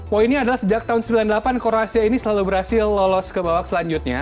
poinnya adalah sejak tahun sembilan puluh delapan kroasia ini selalu berhasil lolos ke bawah selanjutnya